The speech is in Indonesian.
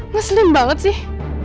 ngeselim banget sih